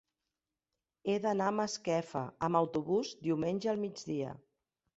He d'anar a Masquefa amb autobús diumenge al migdia.